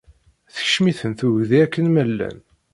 Tekcem-iten tegdi akken ma llan.